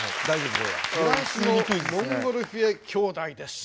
フランスのモンゴルフィエ兄弟です。